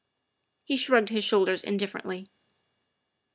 He shrugged his shoulders indifferently.